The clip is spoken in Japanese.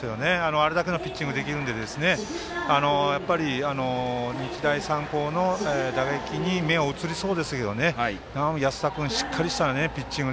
あれだけのピッチングができるので、やはり日大三高の打撃に目が移りそうですが安田君、しっかりしたピッチング